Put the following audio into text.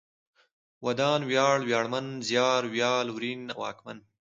ودان ، وياړ ، وياړمن ، زيار، ويال ، ورين ، واکمن